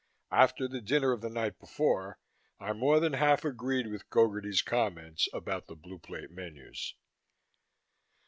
After the dinner of the night before, I more than half agreed with Gogarty's comments about the Blue Plate menus.